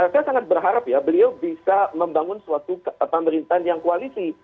saya sangat berharap ya beliau bisa membangun suatu pemerintahan yang koalisi